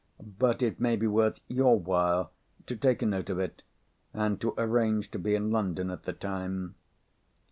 But it may be worth your while to take a note of it, and to arrange to be in London at the time."